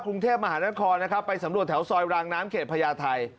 กรุงเทพมหานครนะครับไปสำรวจแถวซอยรางน้ำเขตพญาไทย